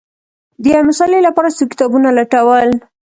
د یوې مسألې لپاره څو کتابونه لټول